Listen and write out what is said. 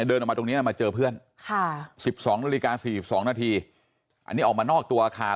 เดินมาตรงนี้มาเจอเพื่อนค่ะ๑๒นาทีอันนี้ออกมานอกตัวอาคาร